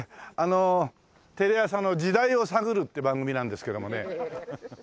テレ朝の「時代を探る」っていう番組なんですけどもね。